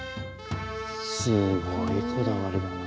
すごいこだわりだな。